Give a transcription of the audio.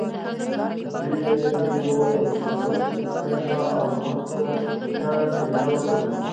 دوی ته مې وویل: فاروق، شا او مخ ته ټېله ورکړئ.